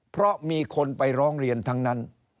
เพราะมีคนไปร้องเรียนทั้งนั้น